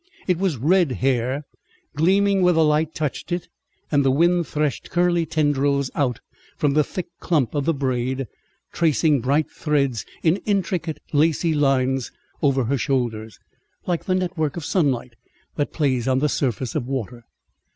It was red hair, gleaming where the light touched it, and the wind thrashed curly tendrils out from the thick clump of the braid, tracing bright threads in intricate, lacy lines over her shoulders, like the network of sunlight that plays on the surface of water.